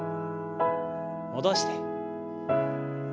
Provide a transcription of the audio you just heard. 戻して。